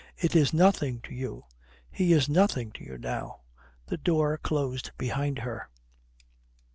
It is nothing to you. He is nothing to you now." The door closed behind her.